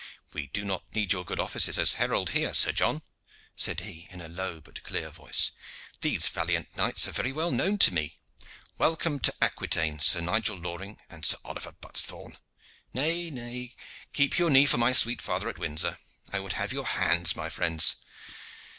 "We do not need your good offices as herald here, Sir John," said he in a low but clear voice; "these valiant knights are very well known to me. Welcome to Aquitaine, Sir Nigel Loring and Sir Oliver Buttesthorn. Nay, keep your knee for my sweet father at Windsor. I would have your hands, my friends.